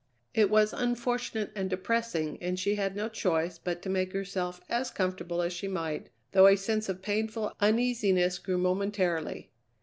It was unfortunate and depressing, and she had no choice but to make herself as comfortable as she might, though a sense of painful uneasiness grew momentarily.